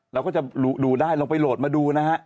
เราก็จะดูได้ลองไปโหลดมาดูนะฮะ